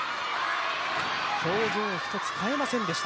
表情一つ変えませんでした、